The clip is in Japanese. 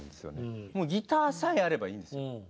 もうギターさえあればいいんですよ。